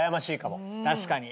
確かに。